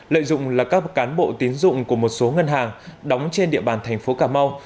lợi dụng là các cán bộ tiến dụng của một số ngân hàng đóng trên địa bàn thành phố cà mau